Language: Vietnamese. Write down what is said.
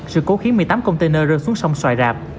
sự cố khiến một mươi tám container rơi xuống sông xoài rạp